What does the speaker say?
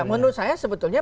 ya menurut saya sebetulnya